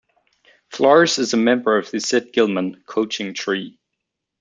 Flores is a member of the Sid Gillman coaching tree.